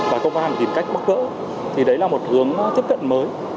và công an tìm cách bắt gỡ thì đấy là một hướng tiếp cận mới